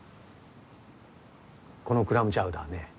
このクラムチャウダーね